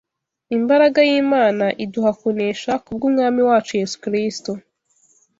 imbaraga y’Imana iduha kunesha kubw’Umwami wacu Yesu Kristo